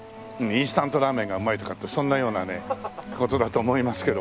インスタントラーメンがうまいとかってそんなようなね事だと思いますけどもね。